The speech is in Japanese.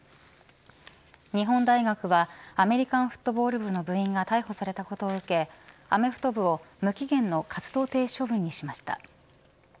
日本大学はアメリカンフットボールの部員が逮捕されたことを受けアメフト部を無期限の活動停止処分にしました。